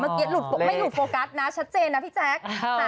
เมื่อกี้ไม่หลุดโฟกัสนะชัดเจนนะพี่แจ๊ก